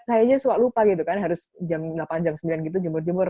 saya aja suka lupa gitu kan harus jam delapan jam sembilan gitu jemur jemur